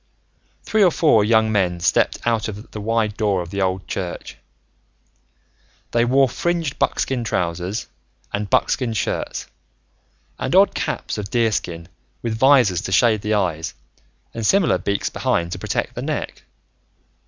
Three or four young men stepped out of the wide door of the old church. They wore fringed buckskin trousers and buckskin shirts and odd caps of deerskin with visors to shade the eyes and similar beaks behind to protect the neck.